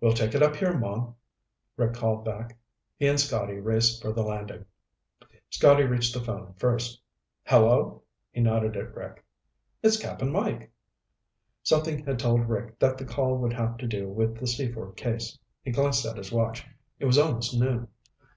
"We'll take it up here, Mom," Rick called back. He and Scotty raced for the landing. Scotty reached the phone first. "Hello?" He nodded at Rick. "It's Cap'n Mike." Something had told Rick that the call would have to do with the Seaford case. He glanced at his watch. It was almost noon.